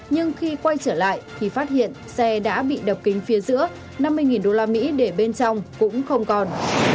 nhưng khi quay trở lại thì phát hiện xe đã bị đập kính phía giữa năm mươi usd để bên trong cũng không còn